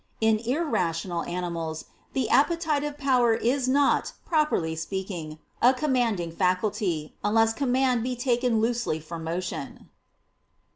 In irrational animals the appetitive power is not, properly speaking, a commanding faculty, unless command be taken loosely for motion.